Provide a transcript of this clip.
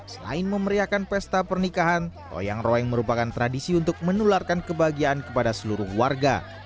selain memeriakan pesta pernikahan toyang roeng merupakan tradisi untuk menularkan kebahagiaan kepada seluruh warga